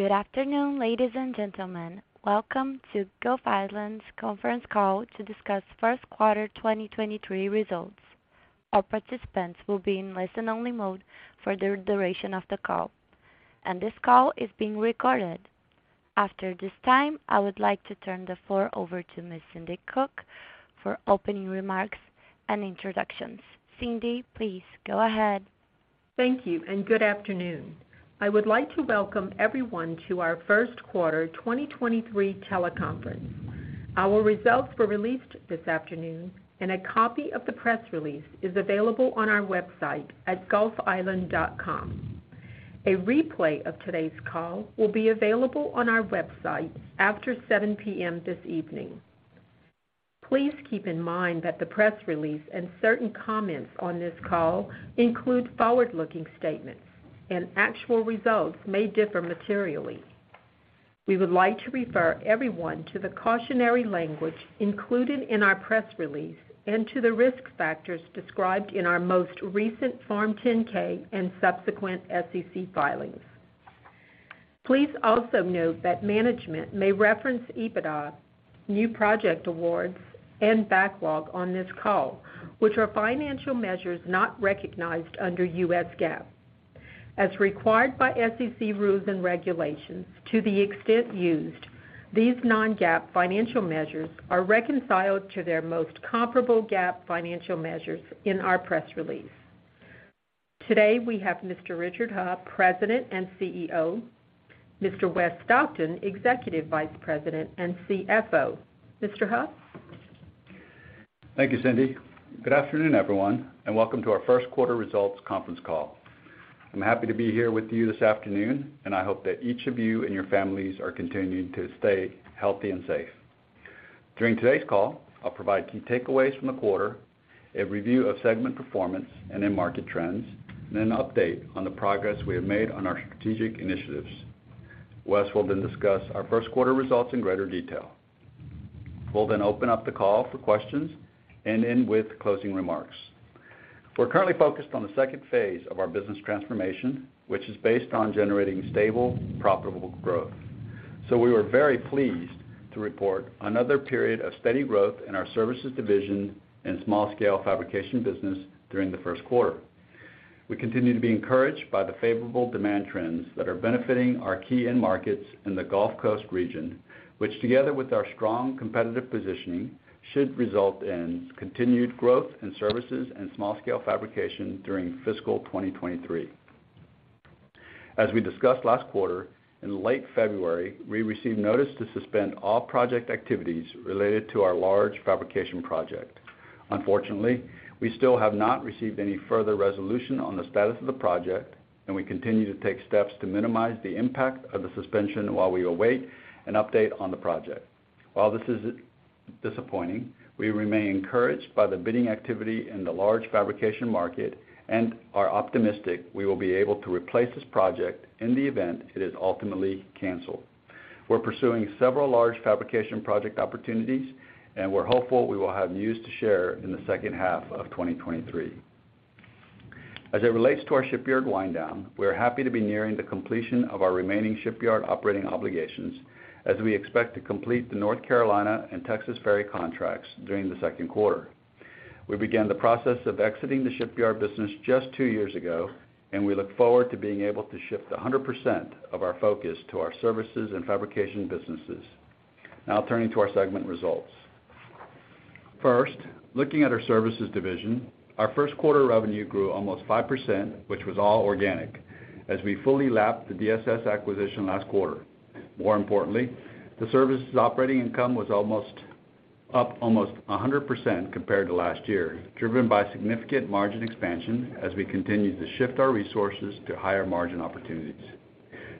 Good afternoon, ladies and gentlemen. Welcome to Gulf Island's Conference Call to discuss first quarter 2023 results. All participants will be in listen-only mode for the duration of the call. This call is being recorded. After this time, I would like to turn the floor over to Ms. Cindi Cook for opening remarks and introductions. Cindi, please go ahead. Thank you. Good afternoon. I would like to welcome everyone to our first quarter 2023 teleconference. Our results were released this afternoon. A copy of the press release is available on our website at gulfisland.com. A replay of today's call will be available on our website after 7:00 P.M. this evening. Please keep in mind that the press release and certain comments on this call include forward-looking statements. Actual results may differ materially. We would like to refer everyone to the cautionary language included in our press release and to the risk factors described in our most recent Form 10-K and subsequent SEC filings. Please also note that management may reference EBITDA, new project awards, and backlog on this call, which are financial measures not recognized under US GAAP. As required by SEC rules and regulations, to the extent used, these non-GAAP financial measures are reconciled to their most comparable GAAP financial measures in our press release. Today, we have Mr. Richard Heo, President and CEO, Mr. Wes Stockton, Executive Vice President and CFO. Mr. Heo? Thank you, Cindi. Good afternoon, everyone, welcome to our first quarter results conference call. I'm happy to be here with you this afternoon, I hope that each of you and your families are continuing to stay healthy and safe. During today's call, I'll provide key takeaways from the quarter, a review of segment performance and end market trends, and an update on the progress we have made on our strategic initiatives. Wes will discuss our first quarter results in greater detail. We'll open up the call for questions and end with closing remarks. We're currently focused on the second phase of our business transformation, which is based on generating stable, profitable growth. We were very pleased to report another period of steady growth in our services division and small scale fabrication business during the first quarter. We continue to be encouraged by the favorable demand trends that are benefiting our key end markets in the Gulf Coast region, which, together with our strong competitive positioning, should result in continued growth in services and small scale fabrication during fiscal 2023. As we discussed last quarter, in late February, we received notice to suspend all project activities related to our large fabrication project. Unfortunately, we still have not received any further resolution on the status of the project, and we continue to take steps to minimize the impact of the suspension while we await an update on the project. While this is disappointing, we remain encouraged by the bidding activity in the large fabrication market and are optimistic we will be able to replace this project in the event it is ultimately canceled. We're pursuing several large fabrication project opportunities, and we're hopeful we will have news to share in the second half of 2023. As it relates to our shipyard wind down, we are happy to be nearing the completion of our remaining shipyard operating obligations as we expect to complete the North Carolina and Texas ferry contracts during the second quarter. We began the process of exiting the shipyard business just two years ago, and we look forward to being able to shift 100% of our focus to our services and fabrication businesses. Now turning to our segment results. First, looking at our services division, our first quarter revenue grew almost 5%, which was all organic, as we fully lapped the DSS acquisition last quarter. More importantly, the services operating income was up almost 100% compared to last year, driven by significant margin expansion as we continued to shift our resources to higher-margin opportunities.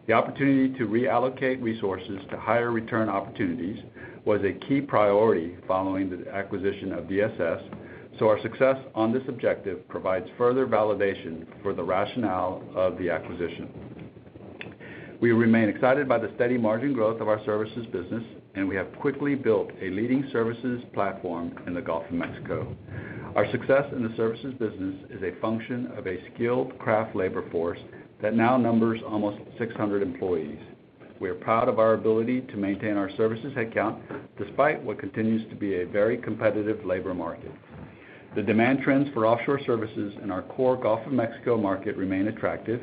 The opportunity to reallocate resources to higher return opportunities was a key priority following the acquisition of DSS, so our success on this objective provides further validation for the rationale of the acquisition. We remain excited by the steady margin growth of our services business, and we have quickly built a leading services platform in the Gulf of Mexico. Our success in the services business is a function of a skilled craft labor force that now numbers almost 600 employees. We are proud of our ability to maintain our services headcount despite what continues to be a very competitive labor market. The demand trends for offshore services in our core Gulf of Mexico market remain attractive,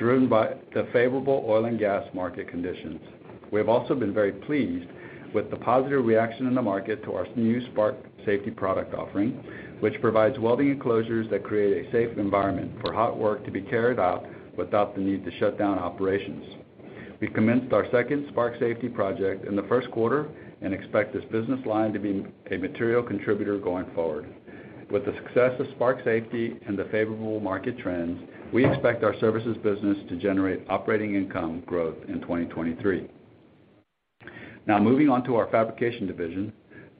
driven by the favorable oil and gas market conditions. We have also been very pleased with the positive reaction in the market to our new Spark Safety product offering, which provides welding enclosures that create a safe environment for hot work to be carried out without the need to shut down operations. We commenced our second Spark Safety project in the first quarter and expect this business line to be a material contributor going forward. With the success of Spark Safety and the favorable market trends, we expect our services business to generate operating income growth in 2023. Moving on to our fabrication division.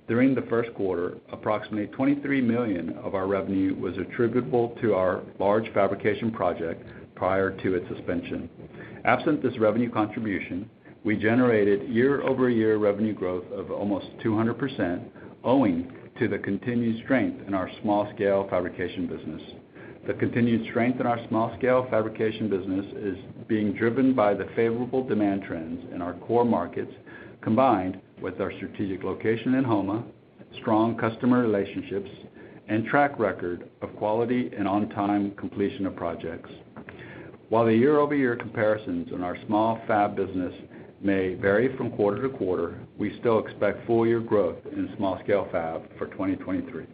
During the first quarter, approximately $23 million of our revenue was attributable to our large fabrication project prior to its suspension. Absent this revenue contribution, we generated year-over-year revenue growth of almost 200% owing to the continued strength in our small scale fabrication business. The continued strength in our small scale fabrication business is being driven by the favorable demand trends in our core markets, combined with our strategic location in Houma, strong customer relationships, and track record of quality and on-time completion of projects. While the year-over-year comparisons in our small fab business may vary from quarter to quarter, we still expect full year growth in small scale fab for 2023.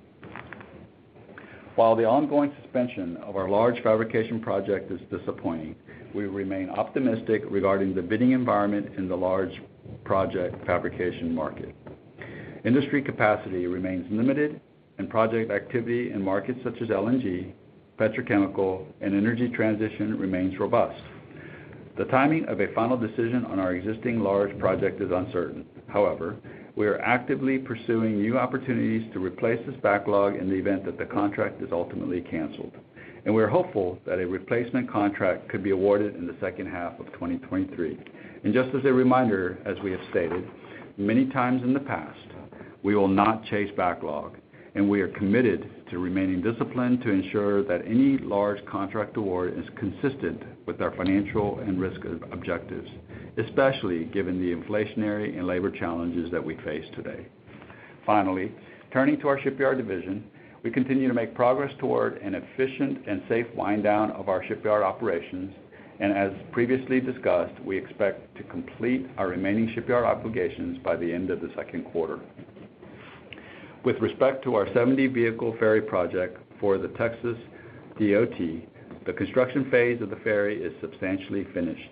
While the ongoing suspension of our large fabrication project is disappointing, we remain optimistic regarding the bidding environment in the large project fabrication market. Industry capacity remains limited and project activity in markets such as LNG, petrochemical, and energy transition remains robust. The timing of a final decision on our existing large project is uncertain. However, we are actively pursuing new opportunities to replace this backlog in the event that the contract is ultimately canceled. We are hopeful that a replacement contract could be awarded in the second half of 2023. Just as a reminder, as we have stated many times in the past, we will not chase backlog, and we are committed to remaining disciplined to ensure that any large contract award is consistent with our financial and risk objectives, especially given the inflationary and labor challenges that we face today. Finally, turning to our shipyard division, we continue to make progress toward an efficient and safe wind down of our shipyard operations. As previously discussed, we expect to complete our remaining shipyard obligations by the end of the second quarter. With respect to our 70-vehicle ferry project for the TxDOT, the construction phase of the ferry is substantially finished.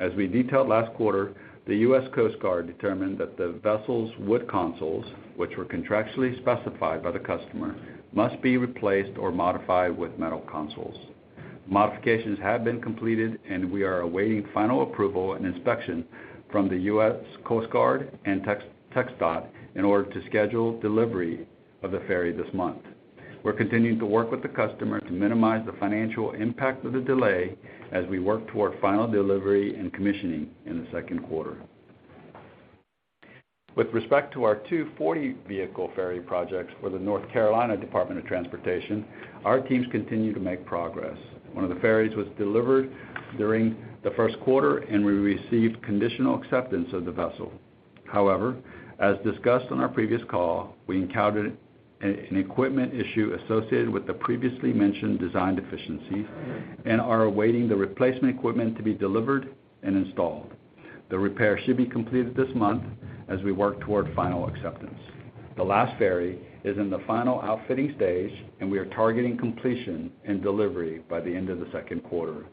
As we detailed last quarter, the U.S. Coast Guard determined that the vessel's wood consoles, which were contractually specified by the customer, must be replaced or modified with metal consoles. Modifications have been completed, and we are awaiting final approval and inspection from the US Coast Guard and TxDOT in order to schedule delivery of the ferry this month. We're continuing to work with the custoer to minimize the financial impact of the delay as we work toward final delivery and commissioning in the second quarter. With respect to our two 40 vehicle ferry projects for the North Carolina Department of Transportation, our teams continue to make progress. One of the ferries was delivered during the first quarter, and we received conditional acceptance of the vessel. As discussed on our previous call, we encountered an equipment issue associated with the previously mentioned design deficiencies and are awaiting the replacement equipment to be delivered and installed. The repair should be completed this month as we work toward final acceptance. The last ferry is in the final outfitting stage, and we are targeting completion and delivery by the end of the second quarter.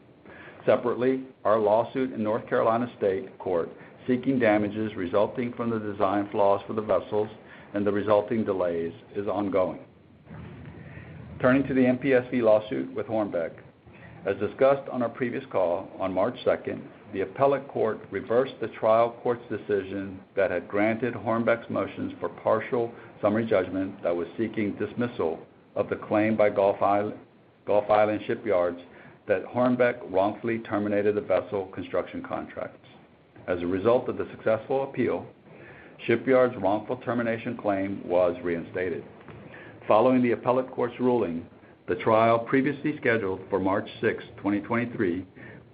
Separately, our lawsuit in North Carolina State Court, seeking damages resulting from the design flaws for the vessels and the resulting delays, is ongoing. Turning to the MPSV lawsuit with Hornbeck. As discussed on our previous call, on March second, the appellate court reversed the trial court's decision that had granted Hornbeck's motions for partial summary judgment that was seeking dismissal of the claim by Gulf Island Shipyards that Hornbeck wrongfully terminated the vessel construction contracts. As a result of the successful appeal, Shipyards' wrongful termination claim was reinstated. Following the appellate court's ruling, the trial previously scheduled for 6th March 2023,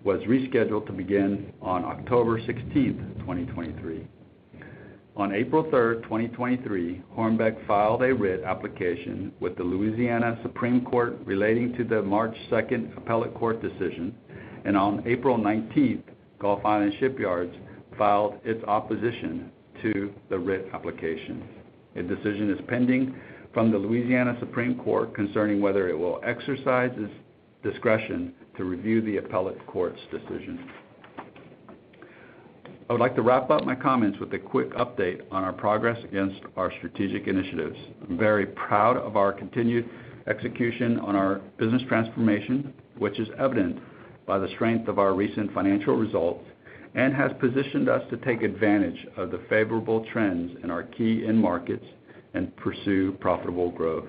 was rescheduled to begin on 16th October 2023. On April 3, 2023, Hornbeck filed a writ application with the Louisiana Supreme Court relating to the 2nd March t appellate court decision. On 19th April Gulf Island Shipyards filed its opposition to the writ application. A decision is pending from the Louisiana Supreme Court concerning whether it will exercise its discretion to review the appellate court's decision. I would like to wrap up my comments with a quick update on our progress against our strategic initiatives. I'm very proud of our continued execution on our business transformation, which is evident by the strength of our recent financial results and has positioned us to take advantage of the favorable trends in our key end markets and pursue profitable growth.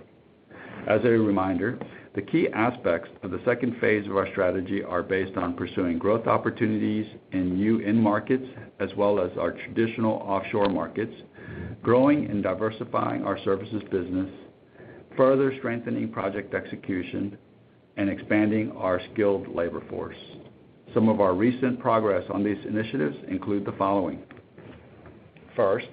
As a reminder, the key aspects of the second phase of our strategy are based on pursuing growth opportunities in new end markets, as well as our traditional offshore markets, growing and diversifying our services business, further strengthening project execution, and expanding our skilled labor force. Some of our recent progress on these initiatives include the following. First,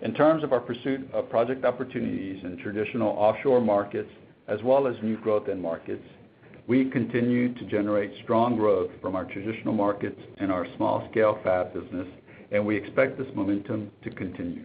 in terms of our pursuit of project opportunities in traditional offshore markets as well as new growth end markets, we continue to generate strong growth from our traditional markets and our small scale fab business, and we expect this momentum to continue.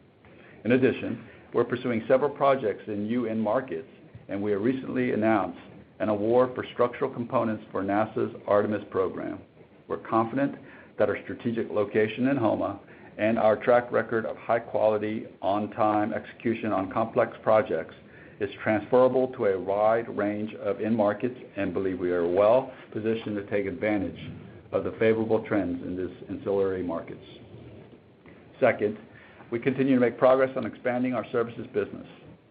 In addition, we're pursuing several projects in new end markets, and we have recently announced an award for structural components for NASA's Artemis program. We're confident that our strategic location in Houma and our track record of high quality, on-time execution on complex projects is transferable to a wide range of end markets and believe we are well-positioned to take advantage of the favorable trends in these ancillary markets. Second, we continue to make progress on expanding our services business.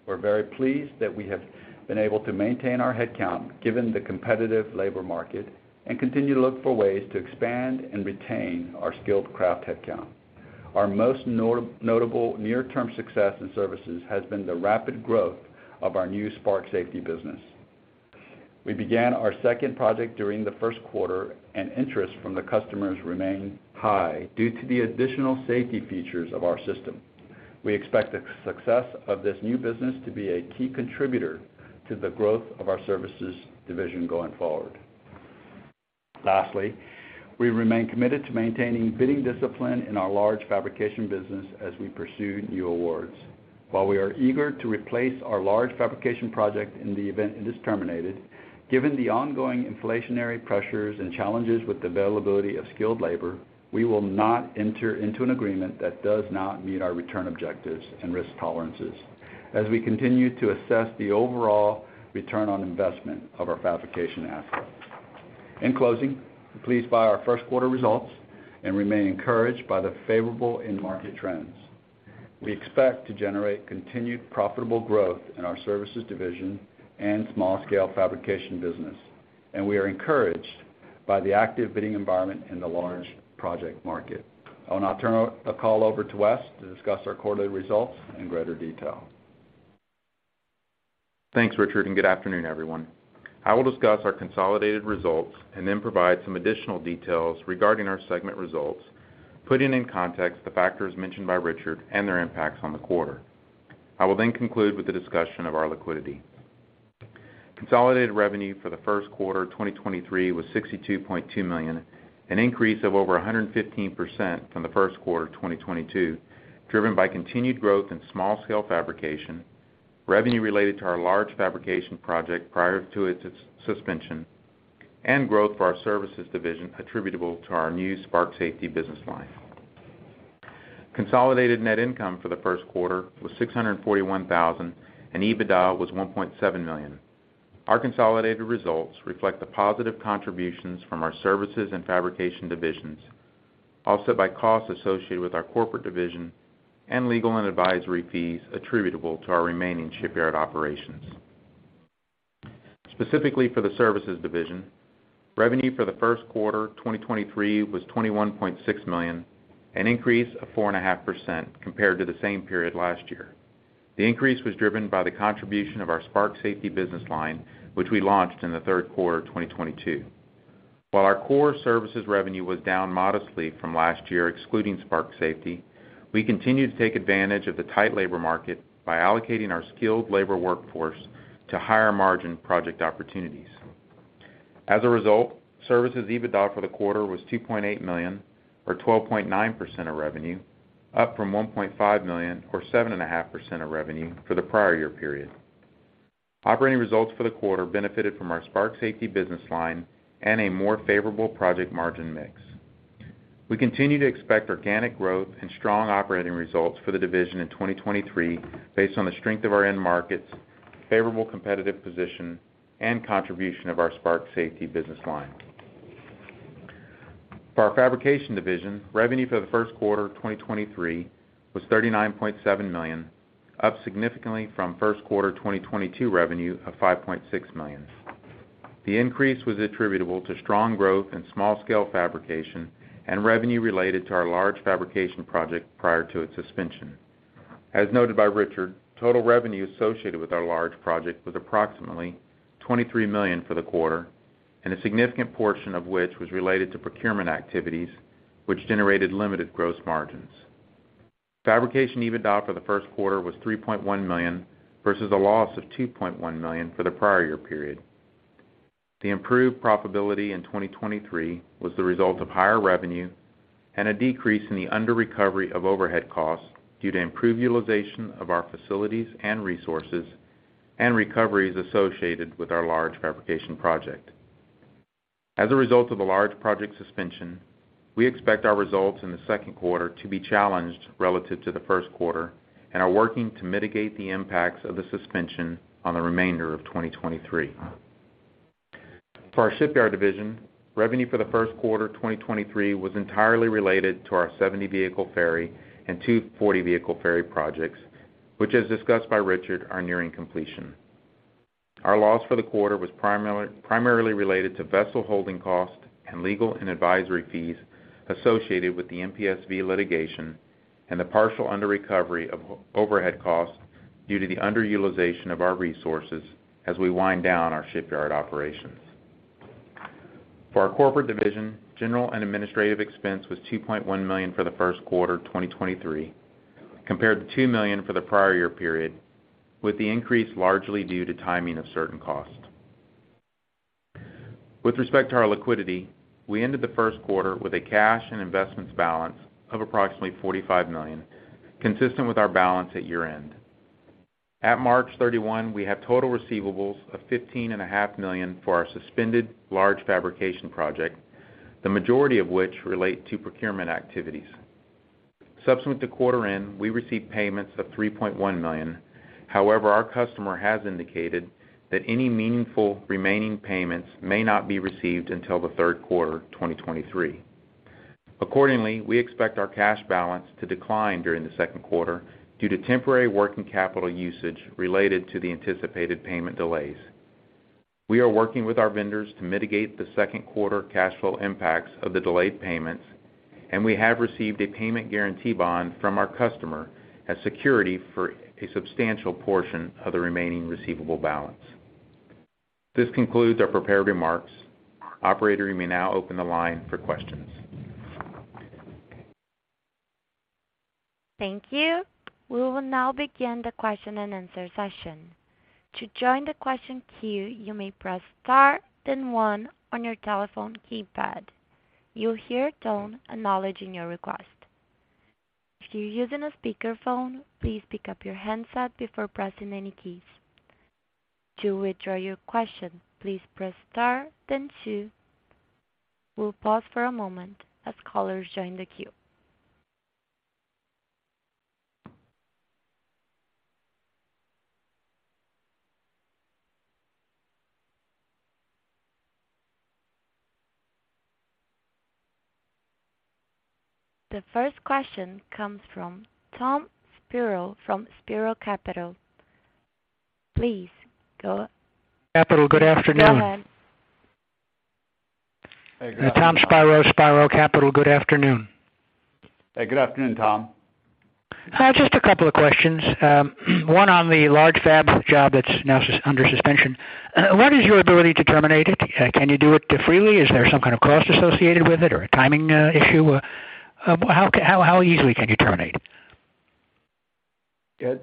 We're very pleased that we have been able to maintain our headcount given the competitive labor market and continue to look for ways to expand and retain our skilled craft headcount. Our most notable near-term success in services has been the rapid growth of our new Spark Safety business. We began our second project during the first quarter, interest from the customers remain high due to the additional safety features of our system. We expect the success of this new business to be a key contributor to the growth of our services division going forward. Lastly, we remain committed to maintaining bidding discipline in our large fabrication business as we pursue new awards. While we are eager to replace our large fabrication project in the event it is terminated, given the ongoing inflationary pressures and challenges with availability of skilled labor, we will not enter into an agreement that does not meet our return objectives and risk tolerances as we continue to assess the overall ROI of our fabrication assets. In closing, we're pleased by our first quarter results and remain encouraged by the favorable end market trends. We expect to generate continued profitable growth in our services division and small scale fabrication business. We are encouraged by the active bidding environment in the large project market. I'll now turn the call over to Wes to discuss our quarterly results in greater detail. Thanks, Richard, and good afternoon, everyone. I will discuss our consolidated results and then provide some additional details regarding our segment results, putting in context the factors mentioned by Richard and their impacts on the quarter. I will then conclude with the discussion of our liquidity. Consolidated revenue for the first quarter of 2023 was $62.2 million, an increase of over 115% from the first quarter of 2022, driven by continued growth in small scale fabrication, revenue related to our large fabrication project prior to its suspension, and growth for our services division attributable to our new Spark Safety business line. Consolidated net income for the first quarter was $641,000, and EBITDA was $1.7 million. Our consolidated results reflect the positive contributions from our services and fabrication divisions, offset by costs associated with our corporate division and legal and advisory fees attributable to our remaining shipyard operations. Specifically for the services division, revenue for the first quarter of 2023 was $21.6 million, an increase of 4.5% compared to the same period last year. The increase was driven by the contribution of our Spark Safety business line, which we launched in the third quarter of 2022. While our core services revenue was down modestly from last year, excluding Spark Safety, we continued to take advantage of the tight labor market by allocating our skilled labor workforce to higher-margin project opportunities. Result, services EBITDA for the quarter was $2.8 million or 12.9% of revenue, up from $1.5 million or 7.5% of revenue for the prior year period. Operating results for the quarter benefited from our Spark Safety business line and a more favorable project margin mix. We continue to expect organic growth and strong operating results for the division in 2023 based on the strength of our end markets, favorable competitive position, and contribution of our Spark Safety business line. Our fabrication division, revenue for the first quarter of 2023 was $39.7 million, up significantly from first quarter 2022 revenue of $5.6 million. The increase was attributable to strong growth in small scale fabrication and revenue related to our large fabrication project prior to its suspension. As noted by Richard, total revenue associated with our large project was approximately $23 million for the quarter, a significant portion of which was related to procurement activities, which generated limited gross margins. Fabrication EBITDA for the first quarter was $3.1 million, versus a loss of $2.1 million for the prior year period. The improved profitability in 2023 was the result of higher revenue and a decrease in the under recovery of overhead costs due to improved utilization of our facilities and resources and recoveries associated with our large fabrication project. As a result of the large project suspension, we expect our results in the second quarter to be challenged relative to the first quarter and are working to mitigate the impacts of the suspension on the remainder of 2023. For our shipyard division, revenue for the first quarter of 2023 was entirely related to our 70 vehicle ferry and two 40-vehicle ferry projects, which, as discussed by Richard, are nearing completion. Our loss for the quarter was primarily related to vessel holding costs and legal and advisory fees associated with the MPSV litigation and the partial under recovery of overhead costs due to the underutilization of our resources as we wind down our shipyard operations. For our corporate division, general and administrative expense was $2.1 million for the first quarter of 2023, compared to $2 million for the prior year period, with the increase largely due to timing of certain costs. With respect to our liquidity, we ended the first quarter with a cash and investments balance of approximately $45 million, consistent with our balance at year-end. At March 31, we have total receivables of $15 and a half million for our suspended large fabrication project, the majority of which relate to procurement activities. Subsequent to quarter end, we received payments of $3.1 million. However, our customer has indicated that any meaningful remaining payments may not be received until the third quarter of 2023. Accordingly, we expect our cash balance to decline during the second quarter due to temporary working capital usage related to the anticipated payment delays. We are working with our vendors to mitigate the second quarter cash flow impacts of the delayed payments, and we have received a payment guarantee bond from our customer as security for a substantial portion of the remaining receivable balance. This concludes our prepared remarks. Operator, you may now open the line for questions. Thank you. We will now begin the question-and-answer session. To join the question queue, you may Press Star then one on your telephone keypad. You'll hear a tone acknowledging your request. If you're using a speakerphone, please pick up your handset before pressing any keys. To withdraw your question, please press star then two. We'll pause for a moment as callers join the queue. The first question comes from Tom Spiro from Spiro Capital. Please go. Capital. Good afternoon. Go ahead. Hey, Tom. Tom Spiro Capital. Good afternoon. Hey, good afternoon, Tom. Just a couple of questions. One on the large fab job that's now under suspension. What is your ability to terminate it? Can you do it freely? Is there some kind of cost associated with it or a timing issue? How easily can you terminate? Yeah.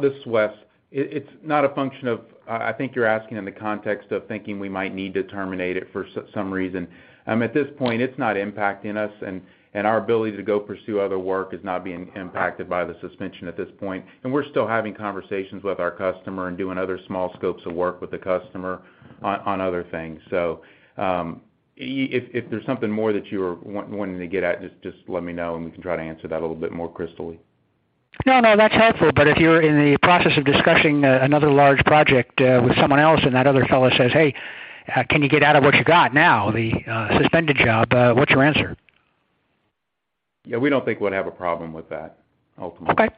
This is Wes. It's not a function of... I think you're asking in the context of thinking we might need to terminate it for some reason. At this point, it's not impacting us, and our ability to go pursue other work is not being impacted by the suspension at this point. We're still having conversations with our customer and doing other small scopes of work with the customer on other things. If there's something more that you are wanting to get at, just let me know, and we can try to answer that a little bit more crystally. No, no, that's helpful. If you're in the process of discussing another large project with someone else and that other fellow says, "Hey, can you get out of what you got now, the suspended job?" What's your answer? Yeah, we don't think we'd have a problem with that, ultimately. Okay.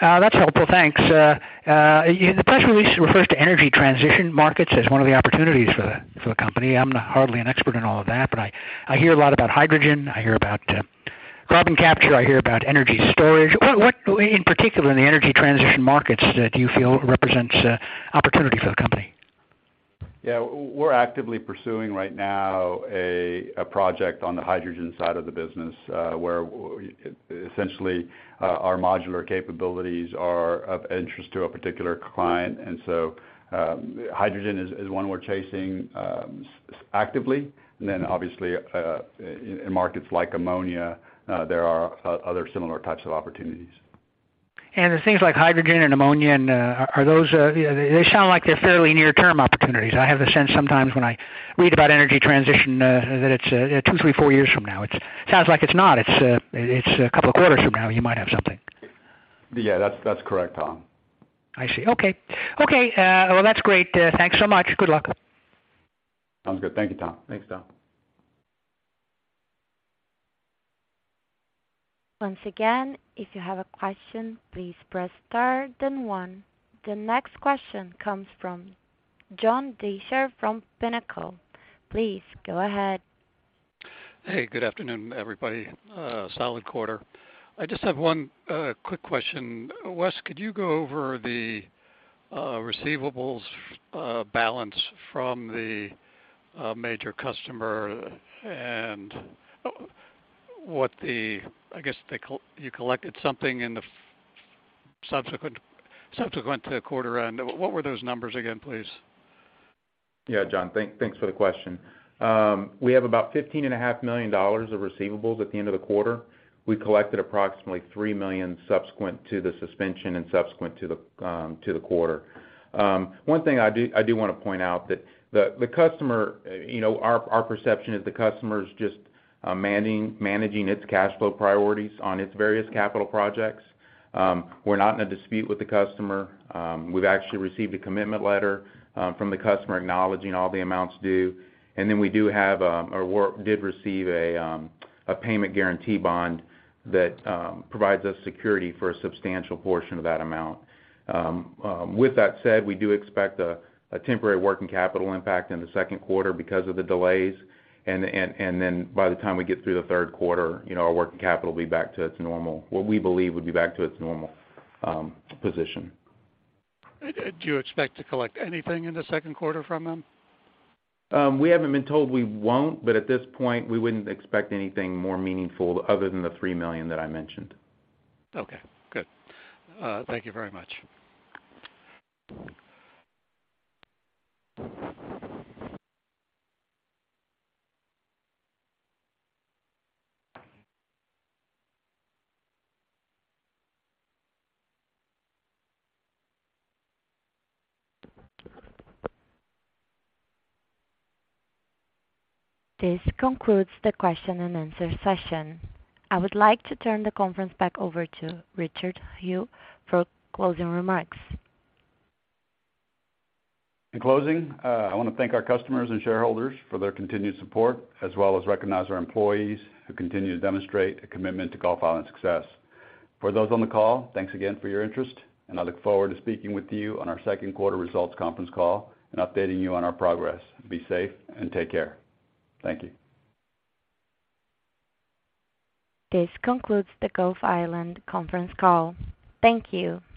That's helpful. Thanks. The press release refers to energy transition markets as one of the opportunities for the company. I'm hardly an expert in all of that, but I hear a lot about hydrogen. I hear about carbon capture. I hear about energy storage. What in particular in the energy transition markets do you feel represents opportunity for the company? Yeah. We're actively pursuing right now a project on the hydrogen side of the business, where essentially, our modular capabilities are of interest to a particular client. Hydrogen is one we're chasing actively. Obviously, in markets like ammonia, there are other similar types of opportunities. The things like hydrogen and ammonia, are those... They sound like they're fairly near-term opportunities. I have the sense sometimes when I read about energy transition, that it's, two, three, four years from now. It sounds like it's not. It's, it's a couple of quarters from now, you might have something. Yeah, that's correct, Tom. I see. Okay. Okay, well, that's great. Thanks so much. Good luck. Sounds good. Thank you, Tom. Thanks, Tom. Once again, if you have a question, please press star then one. The next question comes from John Deysher from Pinnacle. Please go ahead. Hey, good afternoon, everybody. Solid quarter. I just have one quick question. Wes, could you go over the receivables balance from the major customer and what the... I guess you collected something in the subsequent to the quarter end. What were those numbers again, please? Yeah, John. Thanks for the question. We have about 15 and a half million dollars of receivables at the end of the quarter. We collected approximately $3 million subsequent to the suspension and subsequent to the quarter. One thing I do wanna point out that the customer, you know, our perception is the customer is just managing its cash flow priorities on its various capital projects. We're not in a dispute with the customer. We've actually received a commitment letter from the customer acknowledging all the amounts due. We do have, or did receive a payment guarantee bond that provides us security for a substantial portion of that amount. With that said, we do expect a temporary working capital impact in the second quarter because of the delays. Then by the time we get through the third quarter, you know, our working capital will be back to its normal, what we believe would be back to its normal, position. Do you expect to collect anything in the second quarter from them? We haven't been told we won't, but at this point, we wouldn't expect anything more meaningful other than the $3 million that I mentioned. Okay, good. Thank you very much. This concludes the question and answer session. I would like to turn the conference back over to Richard Heo for closing remarks. In closing, I wanna thank our customers and shareholders for their continued support, as well as recognize our employees who continue to demonstrate a commitment to Gulf Island's success. For those on the call, thanks again for your interest, and I look forward to speaking with you on our second quarter results conference call and updating you on our progress. Be safe and take care. Thank you. This concludes the Gulf Island Conference Call. Thank you.